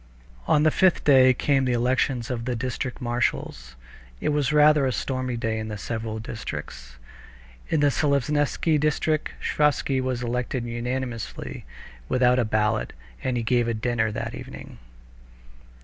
On the fifth day came the elections of the district marshals. It was rather a stormy day in several districts. In the Seleznevsky district Sviazhsky was elected unanimously without a ballot, and he gave a dinner that evening.